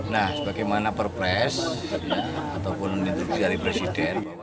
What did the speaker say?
nah bagaimana perpres ataupun menitujari presiden